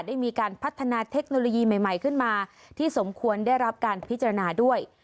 ได้มีการพัฒนาเทคโนโลยีใหม่ขึ้นมาที่สมควรได้รับการพิจารณาด้วย